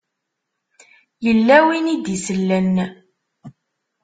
Yella win i d-isellen.